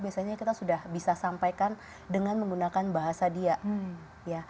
biasanya kita sudah bisa sampaikan dengan menggunakan bahasa dia